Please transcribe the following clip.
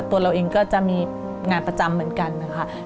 ตัวเราเองก็จะมีงานประจำเหมือนกันนะคะ